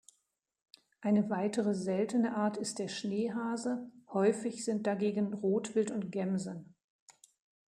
Eine weitere seltene Art ist der Schneehase, häufig sind dagegen Rotwild und Gämsen.